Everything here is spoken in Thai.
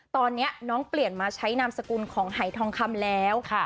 ตอนนี้น้องเปลี่ยนมาใช้นามสกุลของหายทองคำแล้ว